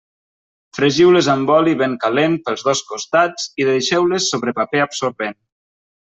Fregiu-les amb oli ben calent pels dos costats i deixeu-les sobre paper absorbent.